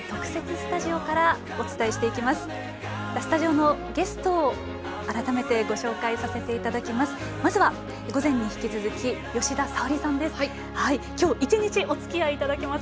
スタジオのゲストを改めてご紹介させていただきます。